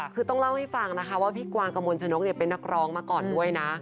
คือต้องเล่าให้ฟังนะคะว่าพี่กวางกระมวลชนกเป็นนักร้องมาก่อนด้วยนะ